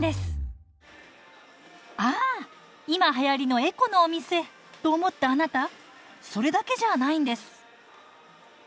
ああ今はやりのエコのお店と思ったあなたそれだけじゃないんです。